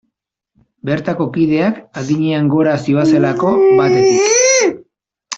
Bertako kideak adinean gora zihoazelako, batetik.